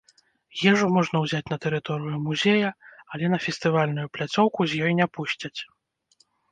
Ежу можна ўзяць на тэрыторыю музея, але на фестывальную пляцоўку з ёй не пусцяць.